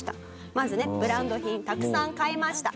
まずねブランド品たくさん買いました。